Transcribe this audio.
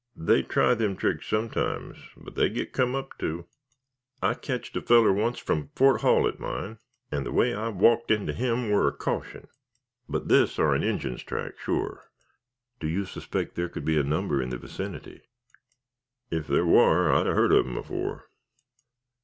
They try them tricks sometimes, but they git come up to. I catched a feller once from Fort Hall at mine, and the way I walked into him war a caution; but this ar' an Injin's track, sure." "Do you suspect there could be a number in the vicinity?" "Ef there war, I'd've heard of 'em afore.